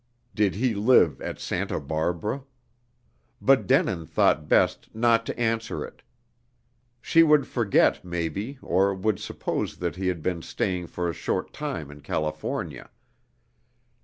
Did he live at Santa Barbara? But Denin thought best not to answer it. She would forget, maybe, or would suppose that he had been staying for a short time in California.